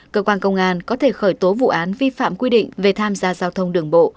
cơ quan công an có thể khởi tố vụ án vi phạm quy định về tham gia giao thông đường bộ